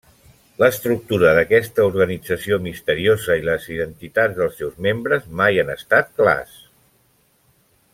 L'estructura d'aquesta organització misteriosa i les identitats dels seus membres mai han estat clars.